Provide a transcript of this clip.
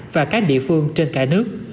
và các địa phương trên cả nước